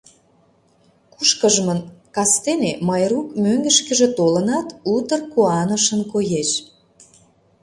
Кушкыжмын кастене Майрук мӧҥгышкыжӧ толынат, утыр куанышын коеш.